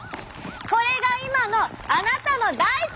これが今のあなたの大腸です。